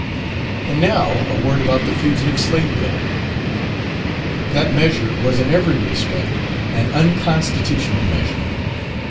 And now a word about the Fugitive Slave Bill. That measure was in every respect an unconstitutional measure.